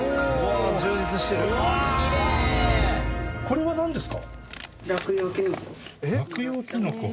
これはなんですか？